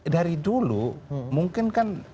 dari dulu mungkin kan